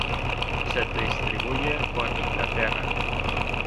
Se distribuye por Inglaterra.